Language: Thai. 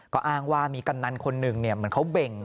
ก็อ้างว่ามีกำนันคนหนึ่งเหมือนเขาเบ่ง